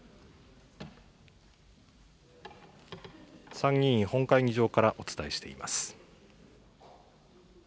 参議院本会議場からお伝えしています。